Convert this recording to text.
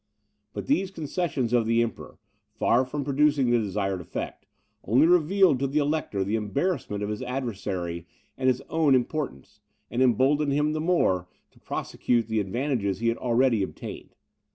But these concessions of the Emperor, far from producing the desired effect, only revealed to the Elector the embarrassment of his adversary and his own importance, and emboldened him the more to prosecute the advantages he had already obtained.